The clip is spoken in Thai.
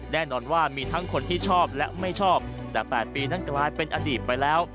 แน่นอนว่ามีทั้งคนที่ชอบและไม่ชอบแต่๘ปีนั้นกลายเป็นอดีตไปแล้ว